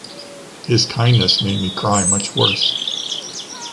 His kindness made me cry much worse.